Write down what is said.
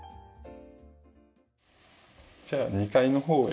じゃあ２階の方へ。